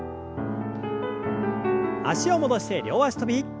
脚を戻して両脚跳び。